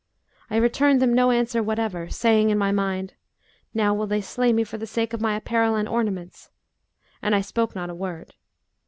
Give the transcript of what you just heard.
I returned them no answer whatever, saying in my mind, 'Now will they slay me for the sake of my apparel and ornaments; and I spoke not a word.